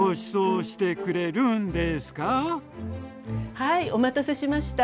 はいお待たせしました。